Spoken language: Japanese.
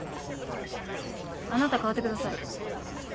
あなた代わってください。